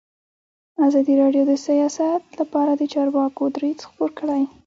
ازادي راډیو د سیاست لپاره د چارواکو دریځ خپور کړی.